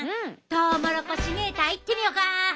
トウモロコシメーターいってみよか。